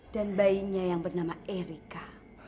dan bayinya yang bernama erika